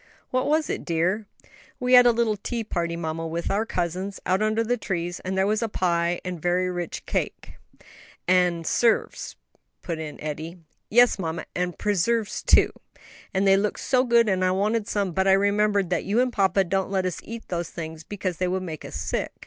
"What was it, dear?" "We had a little tea party, mamma, with our cousins, out under the trees, and there was pie and very rich cake " "And 'serves," put in Eddie. "Yes, mamma, and preserves too, and they looked so good, and I wanted some, but I remembered that you and papa don't let us eat those things because they would make us sick.